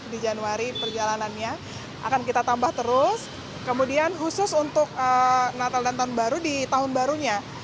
di januari perjalanannya akan kita tambah terus kemudian khusus untuk natal dan tahun baru di tahun barunya